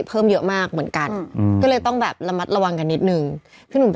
พี่หนุ่มเป็นอะไรครับ